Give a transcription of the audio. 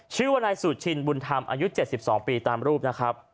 ชื่อว่านายสุชินบุญธรรมอายุ๗๒ปีตามรูปนะครับ